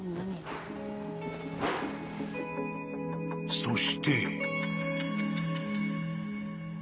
・・・［そして］